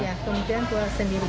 iya kemudian keluar sendiri